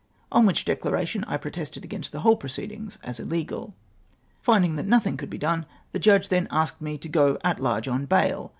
On which declaration I pro tested against the whole proceedings as iUegal. Finding that nothing could be done, the Judge then asked me to go at large on bail